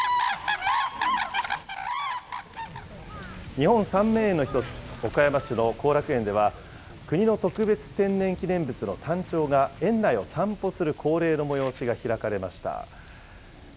日本三名園の１つ、岡山市の後楽園では、国の特別天然記念物のタンチョウが園内を散歩する恒例の催しが開かれました。